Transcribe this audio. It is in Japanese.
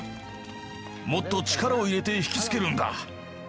もっと力を入れて引き付けるんだ。